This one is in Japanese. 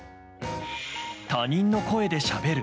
他人の声でしゃべる。